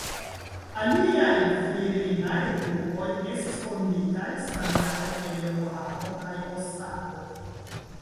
Aliaj virinaj grupoj estis fonditaj samjare en Jokohamo kaj Osako.